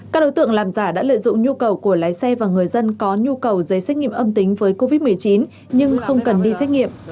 các đối tượng làm giả đã lợi dụng nhu cầu của lái xe và người dân có nhu cầu giấy xét nghiệm âm tính với covid một mươi chín nhưng không cần đi xét nghiệm